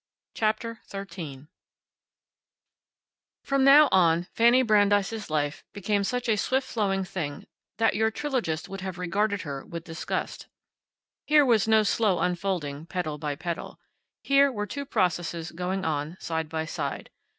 CHAPTER THIRTEEN From now on Fanny Brandeis' life became such a swift moving thing that your trilogist would have regarded her with disgust. Here was no slow unfolding, petal by petal. Here were two processes going on, side by side.